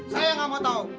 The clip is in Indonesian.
saya gak mau tau